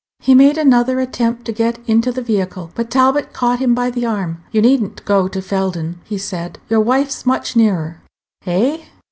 He made another attempt to get into the vehicle, but Talbot caught him by the arm. "You need n't go to Felden," he said; your wife's much nearer." "Eh?"